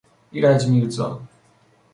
ایرج میرزا